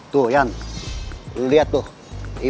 tuh yan lihat tuh ibu ibu itu